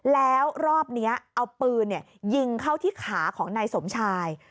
แล้วรอบนี้เอาปืนยิงเข้าที่ขาของนายสมชาย